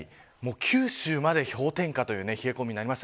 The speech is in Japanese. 九州まで氷点下という冷え込みでした。